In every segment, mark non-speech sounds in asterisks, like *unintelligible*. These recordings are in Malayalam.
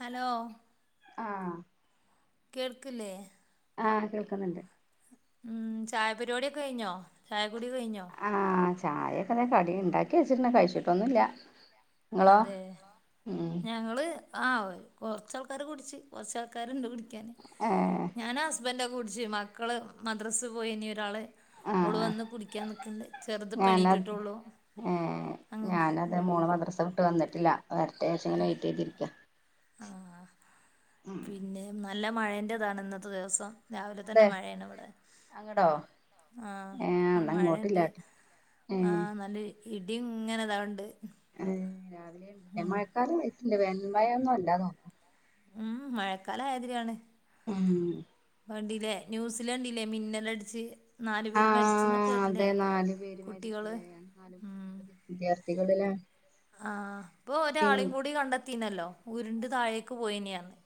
ഹലോ ആ കേൾക്കില്ലെ ആ കേൾക്കുന്നുണ്ട് ഉം ചായ പരിപാടിയൊക്കെ കഴിഞ്ഞോ ചായ കുടി കഴിഞ്ഞോ ചായൊക്കെ ദെ കടി ഉണ്ടാക്കി വെച്ചിട്ടുണ്ട് കഴിച്ചിട്ടൊന്നുവില്ല നിങ്ങളൊ അതെ ഉം ഞങ്ങള് ആ കൊറചാൾക്കാര് കുടിച്ചു കുറചാൾക്കാരുണ്ട് കുടി ക്കാന് ഏഹ് ഞാനും ഹസ്ബന്റൊക്കെ കുടി ച്ച് മക്കള് മദ്രാസ പോയിനി ഒരാള് ഓള് ആഹ് വന്ന് കുടിക്കാനിക്കണണ്ട് ചെറുതിപ്പോണിറ്റിട്ടെ ഞാനത് ഒള്ളു അങ്ങനെ ഉം ട്ട് വന്നിട്ടില്ല വരട്ടെവച്ച് ഇങ്ങനെ വെയിറ്റ് ചെയ്തിരിക്ക പിന്നെ ന്ന നല്ല മഴേന്റെതാണ് ഇന്നത്തെ ദിവസം രാവിലെ തന്നെ അതെ മഴയാണ് ഇവിടെ അങ്ങടോ ഏഹ് ആ എന്നാ മഴ ഇണ്ട് ഇങ്ങോട്ടില്ലാട്ടോ ആ ഏഹ് നല്ല ഇടിങ്ങനെ താവ്ണ്ട് *unintelligible* മഴക്കാറു പോയി വെനൽമയൊന്നും അല്ല തോന്ന് ഉം മഴക്കാലാ ആയതിരിയാണ് ഉം കണ്ടില്ലേ ന്യൂസ് ലണ്ടില്ലേ മിന്നലട്ച്ച് ആ അതെ നാലു പേര് മരിച്ചു കുട്ടികള് ലെ ഉം *unintelligible* ട്ടികള് ല്ലേ ആ ഇപ്പൊ ഒരാളീം കൂടി കണ്ടെത്തിനല്ലോ ഉര്ണ്ട് താഴേക്ക് പോയിനീന്ന് പറഞ്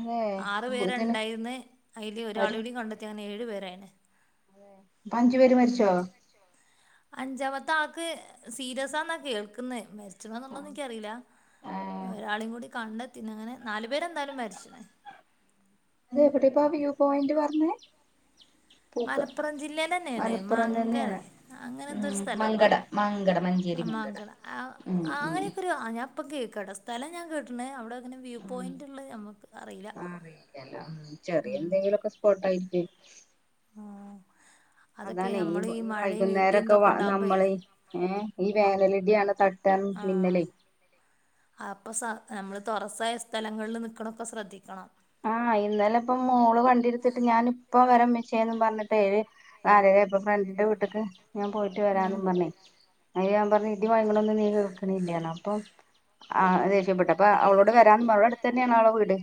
അതെ ആറ് ഇതിന് പേരുണ്ടായിന്ന് അയ്ല് അവര് ഒരാളീം കൂടെ കണ്ടെത്തിയാ അങ്ങനെ ഏഴ് *unintelligible* അഞ്ചു പേര് മരിച്ചോ അഞ്ചാമത്തെ ആക്ക് സീരിയസാന്നാ കേൾക്കുന്നെ എന്നുള്ള എനിക്കറിയില്ല ആ ഒരാളും കൂടി കണ്ടത്തി പിന്നെ ങ്ങനെ നാലു പേരെന്തായാലും മരിച്ചണേ അത എവിടിപ്പാ വ്യൂ പോയിന്റ് പറഞ്ഞേ പൂക്ക മലപ്പുറം ജില്ലൽ തന്നെയാണ് മലപ്പുറം മംഗ തന്നെയാണ് അങ്ങനെ എന്തൊ ഒരു ഉം സ്ഥലാ മങ്കട പറഞ്ഞെ മങ്കട മഞ്ചേരി ആ മങ്കട മംഗള ഉം ഉം അങ്ങനെയൊക്കെ ഒരു ഞാപ്പൊ കേ ട സ്ഥലം ഞാൻ കേട്ടണ് അവിടെ അങ്ങനെ വ്യൂ പോയിന്റ് ഉള്ളത് നമുക്ക് അറിയില്ല ആറിയില്ലല്ലലോ ല്ല ചെറിയ ഉം. എന്തെങ്കിലുംക്കെ സ്പോട്ടായി *unintelligible* ഓ അതൊക്കെ അതാണെ ഈ നമ്മൾ ഈ മഴയും ഇടിയും വൈകുന്നേരൊക്കെ ഇതൊക്കെ വ ഉണ്ടാകുമ്പോഴേ നമ്മൾ ഏ ഈ വേനലിന്റെ ആാണ് തട്ടാൻ ആ മന്നലെ അപ്പോൾ സ നമ്മൾ തുറസായ സ്ഥലങ്ങളിൽ നിൽക്കണൊക്കെ ശ്രദ്ധിക്കണം ആഹ് ഇന്നലെ ഇപ്പ മോള് വ ണ്ടിടുത്തിട്ട് ഞാനിപ്പ പ്പ വര മിച്ചേന്ന് പറഞ്ഞിട്ടേര് നാലരയപ്പ ഫ്രണ്ടിന്റെ വീട്ടിലക്ക് ഞാൻ പോയിട്ട് ഉം. വരാനന്ന് പറഞ്ഞേ അ ഞാൻ പറഞ്ഞു ഇടി മുഴങ്ങുന്നതൊന്നും നീ കേൾക്കണല്ലാണ് അപ്പൊ ആ ദേഷ്യപ്പെട്ട് അപ്പൊ അവളോട് വരാൻ പറ അവടെ അടുത്ത് തന്നെയാണ് അവളുടെ വീട്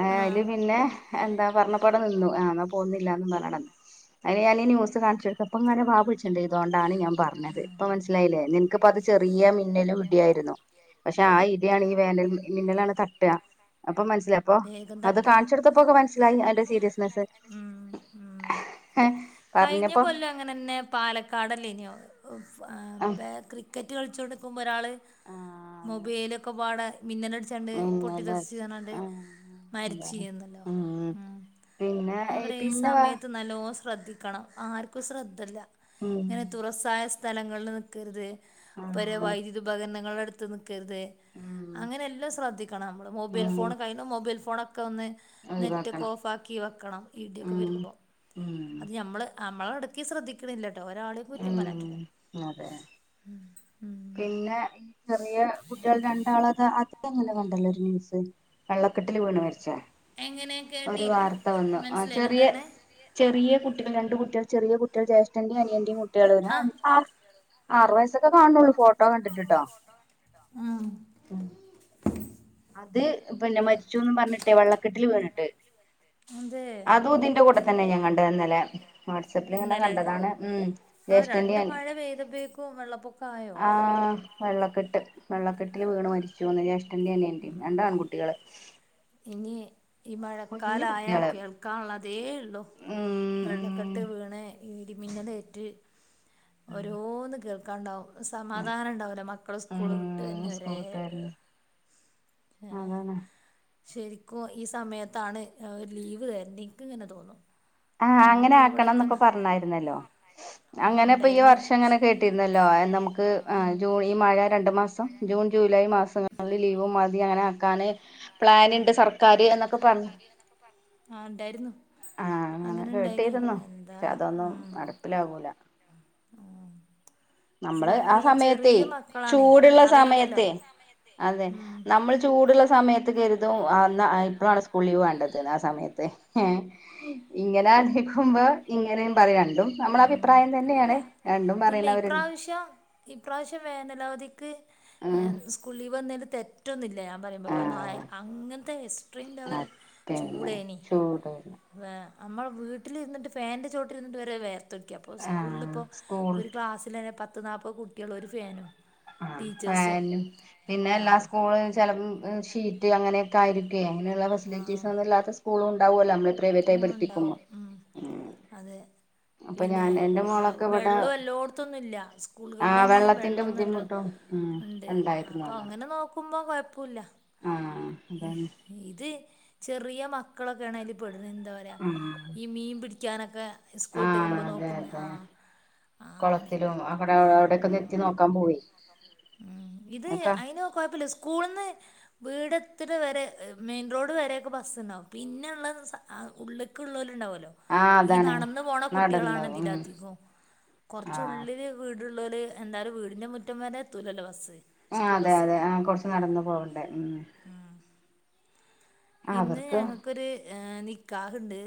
ആ അല് പിന്നെ എന്താ പറപ്പോ അവിടെ നിന്നു എന്നാ പോകുന്നില്ല എന്ന് പറഞ്ഞ് അതിന് ഞാനീ ഈ ന്യൂസ് കാണിച്ചു കൊടുത്തിട്ട് അപ്പം ഇങ്ങനെ വാ പൊളിച്ചു ഇതുകൊണ്ടാണ് ഞാൻ പറഞ്ഞത് ഇപ്പ മനസ്സിലായില്ലേ നിനക്ക് അത് ചെറിയ മിന്നലും ഇടിയായിരുന്നു പക്ഷെ ആ ഇടിയാണ് ഈ വേനൽ മിന്നലാണ് തട്ടുക അപ്പൊ മനസ്സില വേഗം തട്ടും അതിന്റെ സീരിയസ്നെസ്സ് ഉ ഉ കഴിഞ്ഞ പറഞ്ഞപ്പോ കൊല്ലം അങ്ങനെന്നെ പാലക്കാടല്ലേ ഇനോ ആ *unintelligible* ക്രിക്കറ്റ് കളിച്ചോണ്ട് നിൽക്കും ഒരാൾ മൊബൈലൊക്കെ പാടെ മിന്നൽ അടിച്ചാണ്ട് പൊട്ടി പിന്നല്ല തെറിച് *unintelligible* ആ എന്താണ് മരിച്ചുന്നല്ലോ ഉം പിന്നെ ഈ പിന്നെ വാ സമയത്ത് നല്ലോ സ് ശ്രദ്ധിക്കണം ആർക്കും ശ്രദ്ധല്ല ഉം ഇങ്ങനെ തുറസായ സ്ഥലങ്ങളിൽ നിൽക്കരുത് ആ അപ്പര് വൈദ്യുതി ഉപകരണങ്ങളുടെ അടു ത്ത് നി ൽക്കരുത് ഉം അങ്ങനെല്ലാം ശ്രദ്ധിക്കണം നമ്മൾ മൊബെൽ ഉം ഫോൺ മൊബൈൽ ഫോണാ ഒക്കെ ഒന്ന് നെറ്റൊക്കെ ഒഴിവാക്കണം ഓഫാക്കി വെക്കണം ഇടിയൊക്കെ ഉം വരുമ്പോൾ ഉം അത് നമ്മൾ അമ്മള് ഇടക്കി ശ്രദ്ധിക്കണില്ല ഒരാളേം കുറ്റം പറയാൻ ഉം പറ്റൂല അതെ ഉം പിന്നെ ഈ ചെറിയ കുട്ടികള് രണ്ടാളത് അത് ഇന്നലെ കണ്ടല്ലോ ഒരു ന്യൂസ് വെള്ളക്കെട്ടില് വീണ് മരിച്ച എങ്ങനെ ഒരു കേട്ടില്ല വാർത്ത വന്നു ആ മനസ്സിലായില്ല എന്താ ചെറിയ പറഞ്ഞേ ചെറിയ കുട്ടികള് രണ്ടുകുട്ട് ചെറിയ കുട്ടികൾ ജേഷ്ഠൻ്റേം അനിയൻ്റെം കുട്ട് ട്ടികള് ആ ഒരഞ്ച് ആർ ആറു വയസ്സൊക്കെ കാണുള്ളൂ ഫോട്ടോ കണ്ടിട്ട് ട്ടോ ആഹ് ഉം അത് പിന്നെ മരിച്ചൂന്നും പറഞ്ഞിട്ടെ വെള്ളക്കെട്ടില് വീണിട്ട്, അതെ അതും ഇതിന്റെ കൂട്ടെ തന്നെ ഞാൻ കണ്ടത് ഇന്നലെ വാട്സ്അപ്പിലിങ്ങനെ ഇന്നലെ കണ്ടതാണ് ഉം ആ ജ്യേഷ്ഠൻ്റെം രണ്ട് അനി മഴ പെയ്തപ്പേക്കും വെള്ളപ്പൊക്ക ആയോ ആഹ് വെള്ളക്കെട്ട് വെള്ളക്കെട്ടില് വീണ് മരിച്ചൂന്ന് ജേഷ്ഠൻ്റെം അനിയ രണ്ട് ആൺ കുട്ടികള് ഇനി ഈ മഴക്കാലായ കുട്ടികള് കേൾക്കാൻള്ളതേള്ളൂ ഉം വെള്ളക്കെട്ട് വീണ് ഈ ഇടിമിന്നലേറ്റ് ഓരോന്ന് കേൾ കണ്ടോ ഉം സമാധാനം ഉണ്ടാവില്ല മക്കള് സ്കൂള് വിട്ട് ഉം വന്ന സ്കൂൾ വരെ വിട്ടായിരുന്നു എഹ് അതാണ് ശെരിക്കും ഈ സമയത്താണ് ഒരു ലീവ് തരണ്ടെ നിക്ക് ഇങ്ങനെ തോന്നും ആഹ് അങ്ങനെ നമുക്ക് ആക്കണന്നൊക്കെ ഇവിടെത്തന്നെ പറഞ്ഞായിരുന്നല്ലോ ആ അങ്ങനെ ഇപ്പൊ ഈ ഉണ്ടായിരുന്നു വർഷം ഇങ്ങനെ കേട്ടിരുന്നല്ലോ ഏഹ് നമുക്ക് ആഹ് ജൂൺ ഈ മഴ രണ്ട് മാസം ജൂൺ ജൂലൈ മാസങ്ങളില് ലീവ് മതി അങ്ങനെ ആക്കാന് പ്ലാനുണ്ട് സർക്കാര് എന്നൊക്കെ പറഞ്ഞു ആ ഇണ്ടായിരുന്നു ആഹ് അങ്ങനെ കേട്ടിരുന്നു, പക്ഷെ അതൊന്നും നടപ്പിലാവൂല ഉം ശ്ര നമ്മള് ആ ഈ സമയത്തേ ചെറിയ മക്കളാണേ ചൂടുള്ള അറിയില്ലല്ലോ സമയത്തെ അതെ ഉം നമ്മള് ചൂടുള്ള സമയത്ത് കരുതും അന്ന ഏഹ് ഇപ്പളാണ് സ്കൂൾ ലീവ് വേണ്ടതിന്ന് ആ സമയത്ത് ഏഹ് ഇങ്ങനെ ക്കുമ്പോ ഇങ്ങനെയും പറയും രണ്ടും നമ്മടെ ഉം അഭിപ്രായം അല്ല തന്നെയാണ് രണ്ടും ഇല്ല പറയണവരി ഇപ്രാവശ്യം ഇപ്രാവശ്യം വേനലവധിക്ക് ഉം ഏഹ് സ്കൂൾ ലീവ് തന്നതില് തെറ്റൊന്നും ഇല്ല ഞാൻ പറയുമ്പോ കാരണം അ ആഹ് അങ്ങൻത്തെ എക്സ്ട്രീം ലെവൽ അത് പിന്നെ ചൂടേനി ചൂട് വ നമ്മടെ വീ ട്ടില് ഇരുന്നിട്ട് ഫാൻ്റെ ചോട്ടില് ഇരുന്നിട്ട് വരെ വേർ ത്തൊലിക്കാ അപ്പോ ആഹ് സ്കൂൾലിപ്പോ സ്കൂൾ ഒരു ക്ലാസ്സിലന്നെ പത് പത്ത് നാല്പത് കുട്ടികളും ഒരു ഫാനും ആ ടീച്ചേഴ്സും ഫാനും പിന്നെ ആ എല്ലാ സ്കൂളിൽ ചിലപ്പോ ഷീ റ്റ് അങ്ങനെയൊക്കെ ആരിക്കും. എ അങ്ങനുള്ള ആ ഫെസിലിറ്റീസൊന്നുല്ലാത്ത സ്കൂളണ്ട്. ഇണ്ടാവൂല്ലൊ *unintelligible* പ്രൈവറ്റായി ആഹ് പഠിപ്പികുമ്പോ. ഉണ്ടാവും ഉം അതെ പിന്നെ വ വെള്ളം എല്ലോടത്തൊന്നുംല്ല ആ സ്കൂളുകളിൽ തന്നെ വെള്ളത്തിന്റെ വെള്ളം നല്ല ബുദ്ധിമുട്ടും ഉം ഉണ്ട് ഉണ്ടായിരുന്നു അപ്പോ തോന്നണ് അങ്ങനെ നോക്കു കുമ്പം കുയപ്പവില്ല. ആഹ് അതാണ് ഇത് ചെറിയ മക്കളൊക്കെ ആണേലും എന്താ പറയാ ഈ മീൻ പിടി ക്കാനക്കെ ആ അതെ അതെ ആഹ് അങ്ങനെ കുളത്തിലും അവിടെ ഉം അവിടൊക്കെ ഒന്ന് എത്തി നോക്കാൻ പോയി ഉം ഇത് അതൊക്കെ അയിന് കൊഴപ്പില്ല സ്കൂള ന്ന് വീടെത്തണ വരെ മെയിൻ റോഡ് വരൊക്കെ ബസ് ഉണ്ടാവും പിന്നൊള്ള ആ ഉള്ളിക്ക്‌ ഉള്ളലും ഉണ്ടാവുല്ലോ. ആഹ് ഈ അതാണ് നടന് പോണ നടന്ന് കുട്ടികളാണ് ഉം ഇതിലധികവും കുറച്ച് ആഹ് ഉള്ളില് വീട് പിള്ളാര്‌ എന്താലും വീടിന്റെ മുറ്റം വരെ ത്തുലല്ലോ ബസ്. സ്കൂൾ അതെ ബസ് അതെ ആ കുറച്ച് നടന്നു പോവണ്ടെ ഉം ഇന്ന് അവർക്ക് ഞങ്ങൾക്കൊരു നി നിക്കാഹ് ഉണ്ട്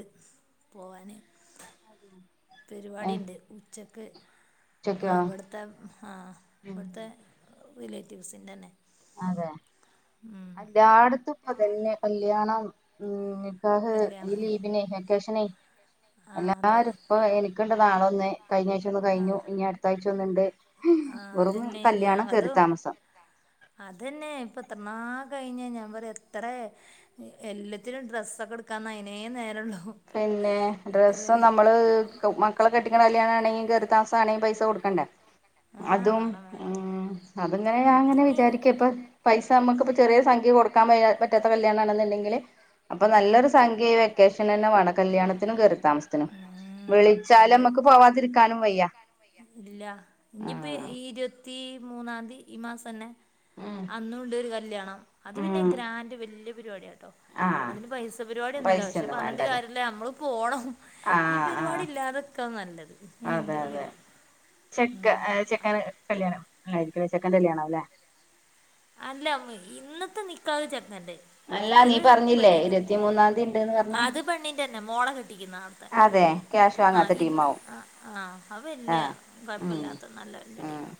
പോവാന് അതും പരിപാടി ഉണ്ട് ഉച്ചക്ക്. ആ ഉച്ചക്കോ ഇവിടുത്തെ ആ ഉം ഇവിടുത്തെ റിലേറ്റീവ്സിന്റെന്നെ അതെ എല്ലായിടത്തും ഇപ്പൊ ഇതന്നെ കല്യാണം മ് നെ നികാഹ് കല്യാണം ഈലീവ്ന് വെക്കേഷനെ ആ അതെ എല്ലാരും ഇപ്പ എൽ ലാണെന്നെ കഴിഞ്ഞഴ്ച ഒന്ന് കഴിഞ്ഞു ആഹ് ഇനി അടുത്താ ട്ടുന്നുണ്ട് ആഹ് വെറും അതന്നെ കല്യാണം ഞാതു കേറി താമസം അതന്നെ ഇപ്പം എത്രണ്ണാ കഴിഞ്ഞെ ഞാൻ പറയാ എത്ര എല്ലത്തിനും ഡ്രസ്സൊക്കെ ഇട്ക്കാൻ നിന്നാ അയ്നേ നേരേണ്ടാ പിന്നെ ഡ്രസ്സും നമ്മള് മക്കളെ കെ *unintelligible* കല്യാണാണെങ്കി കേറീതാമസാണെലും പൈസ കൊടുക്കണ്ടേ ആഹ് അതും വേണം വേണം മ് അത്ങ്ങനെ ഞാൻ അങ്ങനെ ഇനി വിചാരിക്കും ഇപ്പൊ പൈസ നമുക്കിപ്പോ ചെറിയ സംഖ്യ കൊടുക്കാൻ വയ്യാ പറ്റാത്ത കല്യാണണെന്നുണ്ടെങ്കിൽ അപ്പൊ നല്ലൊരു സംഖ്യയി വെക്കേഷന് *unintelligible* കല്യാണത്തിനും കേറി താമസത്തിനും ഉം വിളിച്ചാല് അതെ അമ്മക്ക് പോവാതിരിക്കാനും വയ്യ ആഹ് ത്തി മൂന്നാംന്തി ഈ മാസന്നെ ഉം അന്നുണ്ട് ഒരു കല്യാണം അത് പിന്നെ ഉം ഗ്രാൻഡ് വല്ല്യ പരിപാടിയാട്ടോ ആഹ് അതിന്റെ പൈസ പരിപാടിയൊന്നുല്ല പക്ഷെ പൈസയൊന്നും പറഞ്ഞിട്ട് വേണ്ടല്ലേ കാര്യമല്ല നമ്മള് പോണം ഈ ആഹ് ആഹ് പരിപാടിയില്ലാത്ക്കാ നല്ലത് *unintelligible* അതെ അതെ ചെക്ക മ് ചെക്കന് കല്യാണം ആരിക്ക ചെക്കന്റെ കല്യാണം ആവും അല്ലേ അല്ല ഉമ്മി ഇന്നത്തെ നിക്കാഹ് ചെക്കന്റെ അല്ലാ നീ മറ്റേത് പറഞ്ഞില്ലേ പെണ്ണിന് ഇരുപത്തിമൂന്നാംന്തി ഇണ്ട്ന്ന് പറഞ്ഞു അത് പെണ്ണിൻ്റെ തന്നെ *unintelligible* ആ ഇന്ന് ടീമാവും ആ ആ അത് വല്യ ആഹ് ഉം കൊഴപ്പല്ലാത്ത നല്ല വല്ല്യ ഉം ടീമാ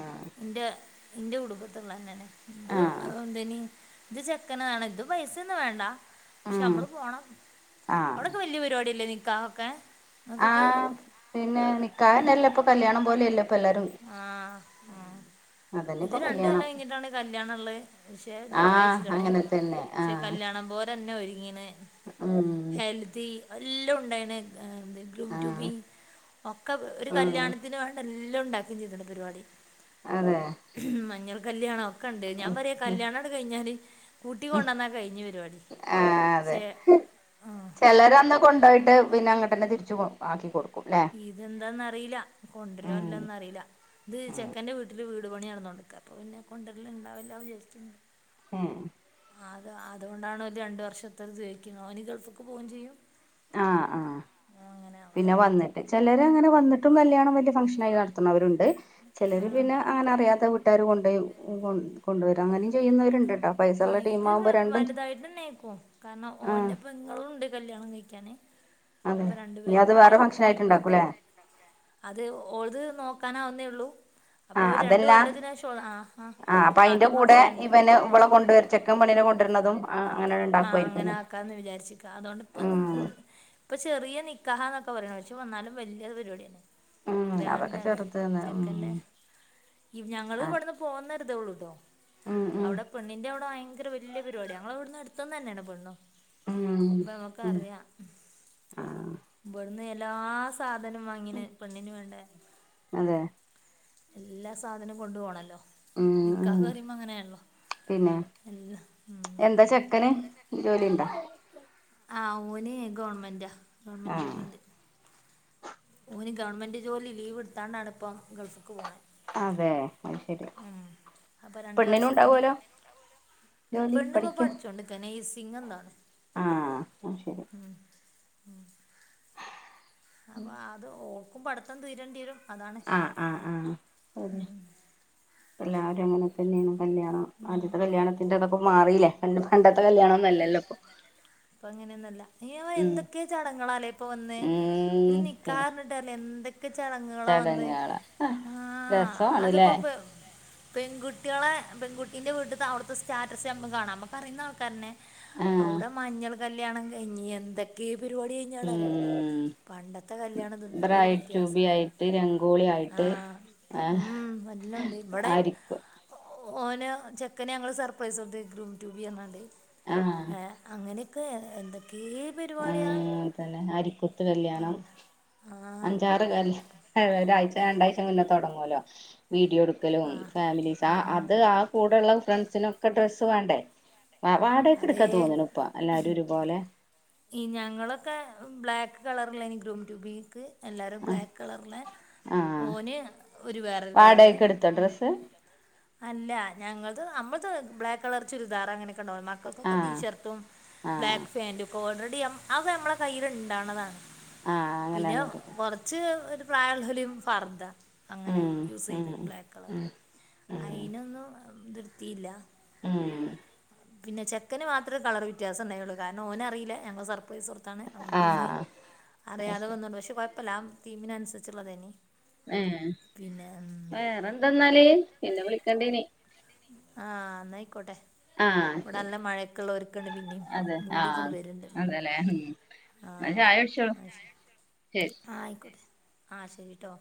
ഉം ന്റെ ന്റെ കുടുംബത്ത് ആഹ് *unintelligible* *unintelligible* എന്തേനി ഇത് ചെക്കനാണ് ഇത് പൈസ ഒന്നും വേണ്ട പക്ഷെ ഉം അമ്മള് പോണം അവിടൊക്കെ വല്യ പരിപാടിയല്ലേ നി കാവൊക്കെ ആ പിന്നെ നിക്കാഹന്നെല്ലാം ഇപ്പൊ കല്യാണം പോലെയല്ലേ ഇപ്പൊ എല്ലാരും ആ ആ അതന്നെ ഇത് ഇപ്പൊ രണ്ട് കല്യാണം കൊല്ലം കയിഞ്ഞിട്ടാണ് കല്യാണം ഇള്ളത് പക്ഷെ നിക്കാഹ് ആഹ് കഴിച്ചിട്ടാണ് അങ്ങനെ തന്നെ പക്ഷെ ആഹ് കല്യാണം പോലെ തന്നെ ഒരു ങ്ങി ഇങ്ങനെ ഉം എലോം ഉണ്ടായിനേ *unintelligible* ഗ്രൂമ് റ്റു ബി ആഹ് ഒക്കെ ഒരു ഉം കല്യാണത്തിന് വേണ്ട എ ലോം ഇണ്ടാ ഇനിയെന്തുണ്ട് പരിപാടി അതെ മഞ്ഞൾ കല്യാണം ഒക്കെണ്ട് ഞാ പറയാ കല്യാണിണ്ട് കഴിഞ്ഞാല് കൂട്ടി ഉം കൊണ്ടുവന്നാ കഴിഞ്ഞ് പരിപാടി ആ അതെ പക്ഷേ ആഹ് ചെലരന്ന് കൊണ്ടോയ്ട്ട് പിന്നെ അങ്ങോട്ട്ന്നെ തിരിച്ചു കൊണ്ടോ ആക്കി കൊടുക്കും ല്ലേ ഇതെന്താന്നന്ന്റിലാ ഉം കൊണ്ടുവരല്ലോന്നറീലാ ഇത് ആഹ് ചെക്കന്റെ വീട്ടില് വീ ഒരു പണി നടന്നോണ്ട്ക്കാ അപ്പൊ പിന്നെ കൊണ്ട്ര്ല്ണ്ടാവില്ലാ ന്ന് വിചാരിക്ക്ന്ന് ആ ആ അത് അതുകൊണ്ടാണ് ഓല് രണ്ട് വർഷത്തത് ചോദിക്ക്ന്ന് ഓന് ഗൾഫ്ക്ക് പോവും ചെയ്യും ആ ആ അങ്ങനെയാവാം പിന്നെ വന്നിട്ട് ചെലരങ്ങനെ വന്നിട്ടും കല്യാണം വല്യ ഫംഗങ്ഷനായി നടത്തണോര്ണ്ട് ണ്ട് ചിലര് ഉം. പിന്നെ അങ്ങനെ അറിയാത്ത വീട്ട വീട്ടാര് കൊണ്ടൊയി കൊ കൊണ്ടുവരും അങ്ങനെ ആ് ഇത് വലുതായിട്ട് ന്നെ ആയ്ക്കും കാരണം ആഹ് ഓന്റെ പെങ്ങളും ണ്ട് കല്ല്യാണം കയിക്കാന് അതെ അപ്പൊ രണ്ടു ഇനി അത് പേരുമ്പാടെ വേറെ ഫംഗ്ഷൻ ഇത് ആയിട്ടുണ്ടാക്കൂല്ലേ അത് ഓൾത് നോക്കാനാവുന്നേ ള്ളു ള്ളൂ അപ്പൊ ആഹ് ഒരു രണ്ട് അതല്ല കൊല്ലത്തിനേഷം ആ ആ ആഹ് അപ്പൊ അയിന്റെ ആതും കൂടെ ഫംഗ്ഷൻ ഉണ്ട് ഇവന് ഇവളെ കൊണ്ടുവരും ചെക്കൻ പെണ്ണിനെ കൊണ്ടുവരുന്നതും അങ്ങനെ ആ ഉണ്ടാക്കുവായിരിക്കും അങ്ങനെ ഇനി ആക്കാന്ന് വിചാരിച്ച് ക്കാ അതുകൊണ്ടിപ്പ പ്പോ ഉം ഇ ഇപ്പൊ ചെറിയ നിക്കാ നിക്കാഹാന്നൊക്കെ പറയണെ പക്ഷേ ന്നാലും വല്യ പരിപാടി ഉം അതൊക്കെ ഗ്രാൻഡാണ് ചെറുതന്ന് ഉം ചെക്കന്റെ ഈ ഞങ്ങള് ആ വ്ടുന്ന് പോണരുതേള്ളൂട്ടോ ഉം ഉം അവിടെ പെണ്ണിന്റെവിടെ ഭയങ്കര വല്യ വല്യ പരിപാട്യാ ഞങ്ങളെവ്ട്ന്ന് അടുത്ത്ന്ന് ന്യാ പെണ്ണും ഉ അപ്പൊ ഉ നമുക്കറിയാം ആഹ നിലാസ് സാധനം വാങ്ങിന് പെണ്ണിന് വേണ്ടെ അതെ എല്ലാ സാധനും കൊണ്ടു പോണല്ലോ ഉ നിക്കാഹ് ഉ പറയുമ്പോ അങ്ങനെയാണല്ലോ പിന്നെ എല്ലാ ഉം എന്താ ചെക്കന് ജോലിണ്ടാ *inaudible* ആ ഓന് ഗവൺമെന്റ്ാ ഗവൺമെന്റ് ആഹ് ജോലിണ്ട് ഓന് ഗവൺമെന്റ് ജോലി ലീവ് എടുത്താണ്ടാണ് ഇപ്പം ഗൾഫിക്ക് പോണത് അതെ അ ശരി അപ്പോൾ രണ്ട് പെണ്ണിനും വർഷത്തിന് ഉണ്ടാവോലോ ജോലി പെണ്ണിപ്പോൾ പഠിക്ക പഠിച്ചോണ്ടിരിക്കുക നേഴ്സിംഗ് എന്താണ് ആഹ് ആ ശരി അപ്പൊ അത് ഓ ഓക്കും പഠിത്തം തീരേണ്ടി വരും അതാണ് ആഹ് ആഹ് ആഹ് ശര്യാ എല്ലാവരും അങ്ങനെ തന്നെയാണ് കല്യാണം ആദ്യത്തെ കല്യാണത്തിന്റെ അതൊക്കെ മാറിയില്ലേ പണ്ട് പണ്ടത്തെ കല്യാണംന്നല്ലല്ലോ ഇപ്പൊ അപ്പൊ അങ്ങനെയൊന്നല്ല ന ഉം എന്തൊക്കെ ചടങ്ങാല്ലേ ഇപ്പൊ വന്ന് ഒരു ഉം പിന്നെ നിക്കാഹ് ന്ന്ട്ടല്ലേ എന്തെ ചടങ്ങുകള വന്ന് ചടങ്ങാള ആഹ് രസമാണ്ല്ലേ അതിപ്പോ പെൺകു കട്ടികളെ പെൺകുട്ടിന്റെ വീട്ടത്തെ അവിടുത്തെ സ്റ്റാറ്റസ് നമ്മക്ക് കാണാം നമുക്കറിയുന്ന കർനേ ആഹ് അവിടെ മഞ്ഞൾ കല്യാണം കഴിഞ്ഞ എന്തൊക്കെയും പരിപാടി കഴിഞ്ഞട ഉം അറിയോ പണ്ടത്തെ കല്യാണത് എന്തോ ഒരു ബ്രൈഡ് ടു ബി വ്യത്യാസം പറയാ ആയിട്ട് രംഗോളി ആ ആയിട്ട് ആഹ് ഉം വല്ല ഉണ്ട് ഇവിടെ ആരിക്കു ഒ ഓന് ചെക്കന് ഞങ്ങള് സർപ്രൈസ് ഉണ്ട് ഗ്രൂം ട്യൂ ബീ പറഞ്ഞാണ്ട് ഏ അങ്ങനെ ക്ക് എന്ത ആ തന്നെ അരിക്കുത്ത് കല്യാണം പണ്ട്. ആഹ് അഞ്ചാറ് കല് ഒരാഴ്ച രണ്ടാഴ്ച മുന്നെ തുടങ്ങുവലോ വീഡിയോ എടുക്കലും ആഹ് ഫാമിലീസ് ആ ഉം അത് ആ കൂടെയുള്ള ഫ്രണ്ട്സിനൊക്കെ ഡ്രസ്സ് വേണ്ടേ വ വാടകൊക്കെ അതേ എടുക്കാൻ തോന്നണ് ഇപ്പ എല്ലാരും ഒരുപോലെ ഈ ഞങ്ങളൊക്കെ ബ്ലാക്ക് കളറില എനി ഗ്രൂം ടൂബി ക്ക് എല്ലാരും ആഹ് ബ്ലാക്ക് കളറില ആഹ് ഓന് ഒരു വേറൊരു കളറ് വാടകക്ക് എടുത്തോ ഡ്രസ്സ് അല്ല ഞങ്ങത് നമ് ത് ബ്ലക്ക് കളർ ചുരിദാർ അങ്ങനൊക്കെണ്ട മ ക്കൊക്കെ ടീ ആഹ് ഷർട്ടും ആഹ് ബ്ലാക്ക് പാൻ്റും ഒകെ ഓർഡർ ചെയ് അത് നമ്മളെ കയ്യിൽ ഇണ്ടാണതാണ് ആഹ് പിന്നെ അങ്ങനെയാണ് എടുക്ക കുറച്ച് ഒരു പ്രായൽലോലും ഫർദ അങ്ങനെ ഉം യൂസ് ഉം ചെയ്ത് ബ്ലാക്ക് കളർ ഉം ഉം അയിനൊന്നും നിർത്തിയില്ല ഉം പിന്നെ ചെക്കന് മാത്രേ കളർ വ്യത്യാസംണ്ടയുള്ളൂ കാരണം ഓന്അറിയില്ല ഞങ്ങൾ സർ പോയി സറത്താണ് അതോണ്ട് ഓന് ആഹ് അറിയാതെ അയ്ശരി വന്നണ്ട് പക്ഷെ കൊയ് പ്പല്ലാം തീമിന അനുസരിച്ചുള്ളദേനി ഏഹ് വേറെന്താെന്നാലേ പിന്നെ വിളിക്കണ്ടേനി ആഹ് ന്ന ആയിക്കോട്ടെ ഇവിടെ ശരി നല്ല മഴയൊക്കെള്ള ഒരുക്കണ്ട് പിന്നെയും അതെ ആഹ് മൂടിക്കൊണ്ട് വരുണ്ട് അതെല്ലേ ഉം ന്നാ ചായ കുടിച്ചോളൂ ആഹ് ശരി ആയിക്കോട്ടെ ആഹ് ശരിട്ടോ